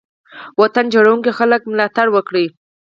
د وطن جوړونکو خلګو ملاتړ وکړئ.